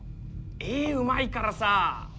絵うまいからさ。